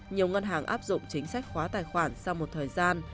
nhiều ngân hàng áp dụng chính sách khóa tài khoản sau một thời gian